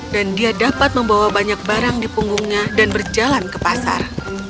dan dia dapat membawa banyak barang di punggungnya dan berjalan ke pasar